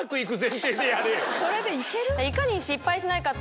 それでいける？